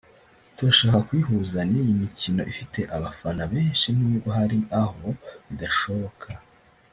turashaka kuyihuza n’iyi mikino ifite abafana benshi n’ubwo hari aho bidashoboka